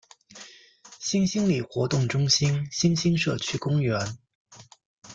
新兴里活动中心新兴社区公园